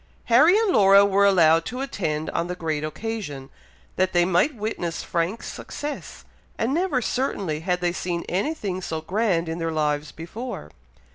Harry and Laura were allowed to attend on the great occasion, that they might witness Frank's success; and never, certainly, had they seen any thing so grand in their lives before!